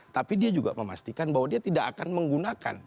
tapi dia juga memastikan bahwa dia tidak akan menggunakan